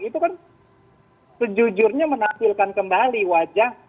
itu kan sejujurnya menampilkan kembali wajah